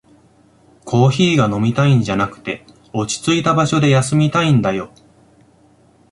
コーヒーが飲みたいんじゃなくて、落ちついた場所で休みたいんだよ